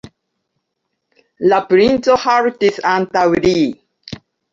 La princo haltis antaŭ li.